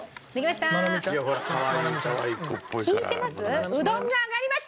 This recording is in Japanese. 聞いてます？